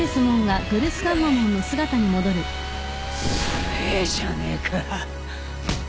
強えじゃねえか。